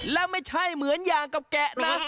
และไม่ใช่เหมือนอย่างกับแกะนะ